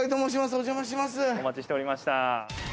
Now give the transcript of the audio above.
お待ちしておりました。